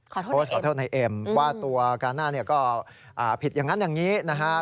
ขอโทษขอโทษนายเอ็มว่าตัวกาน่าเนี่ยก็ผิดอย่างนั้นอย่างนี้นะฮะ